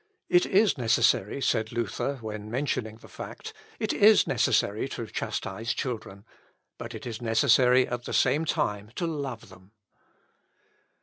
"It is necessary," said Luther, when mentioning the fact, "it is necessary to chastise children; but it is necessary, at the same time, to love them."